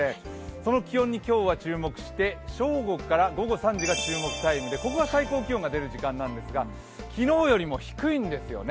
その気温に今日は注目して正午から午後３時が注目タイムでここが最高気温が出る時間なんですが昨日よりも低いんですよね。